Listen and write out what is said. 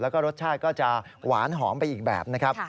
แล้วก็รสชาติก็จะหวานหอมไปอีกแบบนะครับ